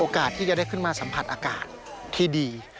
ที่จะได้ขึ้นมาสัมผัสอากาศที่ดี